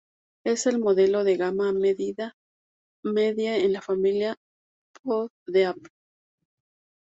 Es el modelo de gama media en la familia iPod de Apple.